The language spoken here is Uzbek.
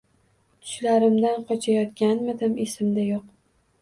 Tushlarimdan qochayotganmidim esimda yo’q.